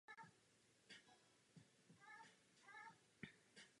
Mikuláš často také vystupoval jako kazatel při nejrůznějších příležitostech.